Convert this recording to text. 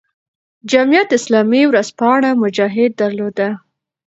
جمعیت اسلامي ورځپاڼه "مجاهد" درلوده.